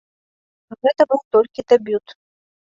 Гэта быў толькі дэбют.